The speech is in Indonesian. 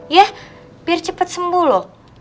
yah biar cepet sembuh loh